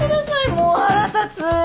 もう腹立つ！